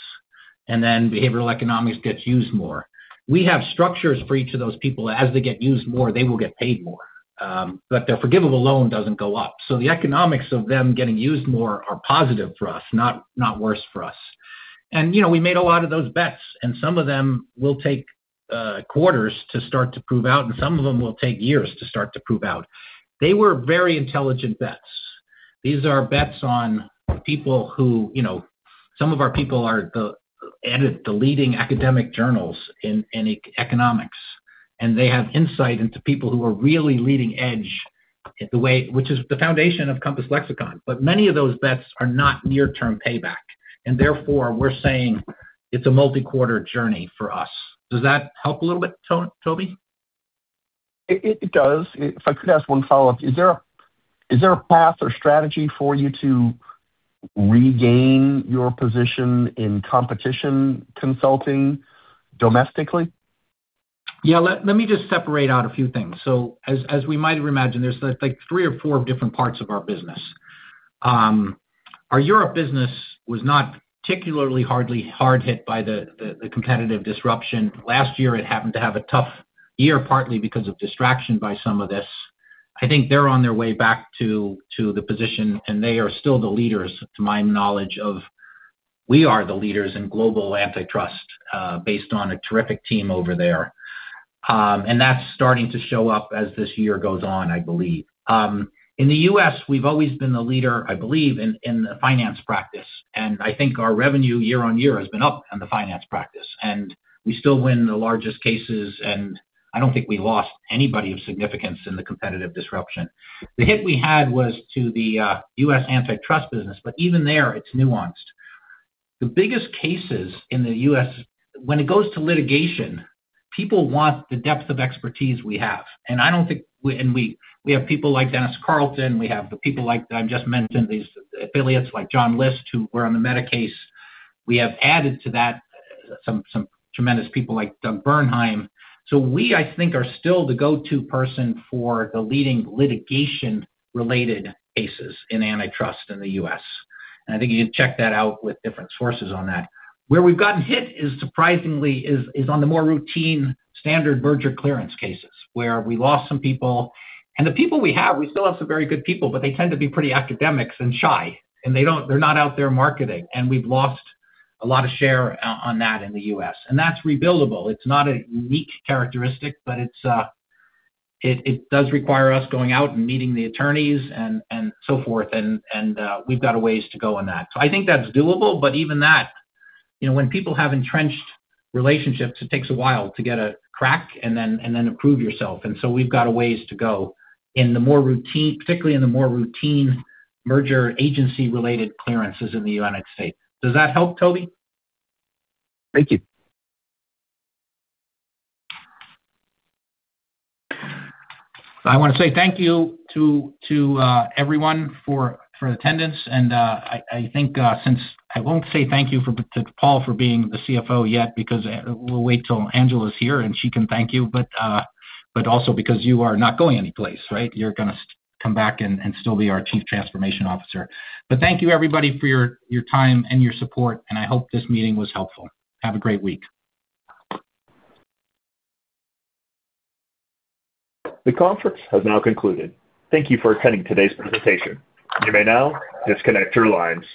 and then behavioral economics gets used more. We have structures for each of those people. As they get used more, they will get paid more. Their forgivable loan doesn't go up. The economics of them getting used more are positive for us, not worse for us. You know, we made a lot of those bets, and some of them will take quarters to start to prove out, and some of them will take years to start to prove out. They were very intelligent bets. These are bets on people who, you know, some of our people are the leading academic journals in economics, and they have insight into people who are really leading edge which is the foundation of Compass Lexecon. Many of those bets are not near-term payback, and therefore, we're saying it's a multi quarter journey for us. Does that help a little bit, Tobey? It does. If I could ask one follow-up. Is there a path or strategy for you to regain your position in competition consulting domestically? Yeah. Let me just separate out a few things. As we might have imagined, there's like three or four different parts of our business. Our Europe business was not particularly hardly hard hit by the competitive disruption. Last year, it happened to have a tough year, partly because of distraction by some of this. I think they're on their way back to the position, and they are still the leaders, to my knowledge, we are the leaders in global antitrust, based on a terrific team over there. That's starting to show up as this year goes on, I believe. In the U.S., we've always been the leader, I believe, in the finance practice, and I think our revenue year on year has been up on the finance practice, and we still win the largest cases, and I don't think we lost anybody of significance in the competitive disruption. The hit we had was to the U.S. antitrust business, but even there, it's nuanced. The biggest cases in the U.S. when it goes to litigation, people want the depth of expertise we have. We have people like Dennis Carlton, we have the people like I've just mentioned, these affiliates like John List, who were on the Meta case. We have added to that some tremendous people like Doug Bernheim. We, I think, are still the go-to person for the leading litigation-related cases in antitrust in the U.S. I think you can check that out with different sources on that. Where we've gotten hit is surprisingly on the more routine standard merger clearance cases, where we lost some people. The people we have, we still have some very good people, but they tend to be pretty academics and shy, and they're not out there marketing, and we've lost a lot of share on that in the U.S. That's rebuildable. It's not a unique characteristic, but it does require us going out and meeting the attorneys and so forth, and we've got a ways to go on that. I think that's doable. Even that, you know, when people have entrenched relationships, it takes a while to get a crack and then prove yourself. We've got a ways to go particularly in the more routine merger agency-related clearances in the U.S. Does that help, Tobey? Thank you. I wanna say thank you to everyone for attendance. I think since I won't say thank you to Paul for being the CFO yet because we'll wait till Angela's here, and she can thank you. Also because you are not going anyplace, right? You're gonna come back and still be our Chief Transformation Officer. Thank you everybody for your time and your support, and I hope this meeting was helpful. Have a great week. The conference has now concluded. Thank you for attending today's presentation. You may now disconnect your lines.